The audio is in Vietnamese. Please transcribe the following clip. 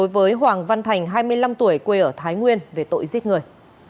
với hoàng văn thành hai mươi năm tuổi quê ở thái nguyên về tội giết người